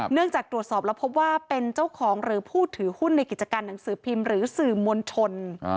เนื่องจากตรวจสอบแล้วพบว่าเป็นเจ้าของหรือผู้ถือหุ้นในกิจการหนังสือพิมพ์หรือสื่อมวลชน